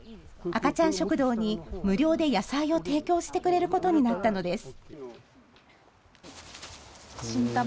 赤ちゃん食堂に無料で野菜を提供してくれることになったのです。